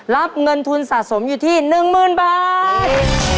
รับเงินทุนสะสมอยู่ที่๑๐๐๐บาท